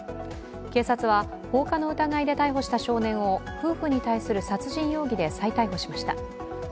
警察は放火の疑いで逮捕した少年を夫婦に対する殺人容疑で再逮捕しました。